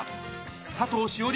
佐藤栞里